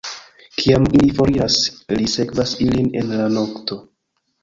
Kiam ili foriras, li sekvas ilin en la nokto.